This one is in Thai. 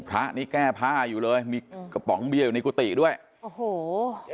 พระนี่แก้ผ้าอยู่เลยมีกระป๋องเบียร์อยู่ในกุฏิด้วยโอ้โห